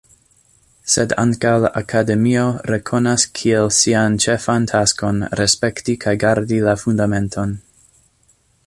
Sed ankaŭ la Akademio rekonas kiel sian ĉefan taskon respekti kaj gardi la Fundamenton.